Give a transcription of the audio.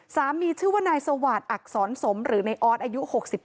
สามีชื่อว่านายสวาสตรอักษรสมหรือในออสอายุ๖๘